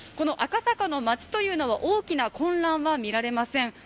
赤坂の街というのは大きな混乱は見られません。